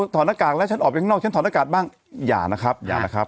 หน้ากากแล้วฉันออกไปข้างนอกฉันถอดหน้ากากบ้างอย่านะครับอย่านะครับ